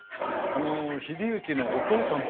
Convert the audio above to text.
あの英之のお父さんとね